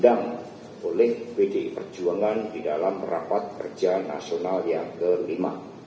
dan yang akan diundang oleh bdi perjuangan di dalam rapat kerjaan nasional yang kelima